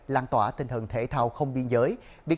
làn tỏa tinh thần thể thao không biên giới